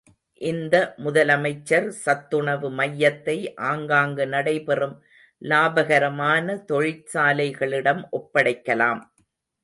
இந்த முதலமைச்சர் சத்துணவு மையத்தை ஆங்காங்கு நடைபெறும் லாபகரமான தொழிற்சாலைகளிடம் ஒப்படைக்கலாம்.